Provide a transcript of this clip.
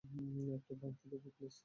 একটু ভাংতি দেবে, প্লিজ?